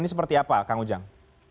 ini seperti apa kang ujang